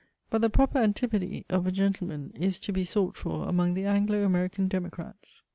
But the proper antipode of a gentleman is to be sought for among the Anglo American democrats.